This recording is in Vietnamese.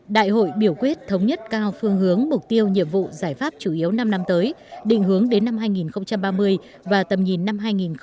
đại hội biểu quyết thống nhất cao phương hướng mục tiêu nhiệm vụ giải pháp chủ yếu năm năm tới định hướng đến năm hai nghìn ba mươi và tầm nhìn năm hai nghìn bốn mươi năm